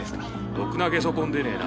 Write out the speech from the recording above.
ろくなゲソ痕出ねえな。